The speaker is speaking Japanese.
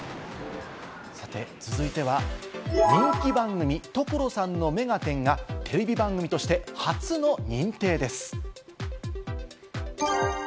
続いては人気番組『所さんの目がテン！』がテレビ番組として初の認定です。